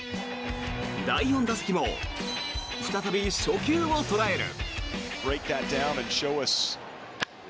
第４打席も再び初球を捉える。